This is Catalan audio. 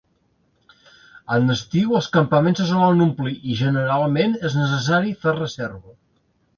En estiu els campaments se solen omplir, i generalment és necessari fer reserva.